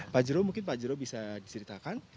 pak jero mungkin pak jero bisa diceritakan